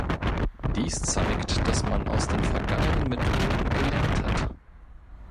Dies zeigt, dass man aus den vergangenen Methoden gelernt hat.